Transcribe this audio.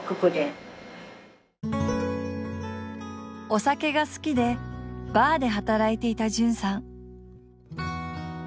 お酒が好きでバーで働いていた絢さん。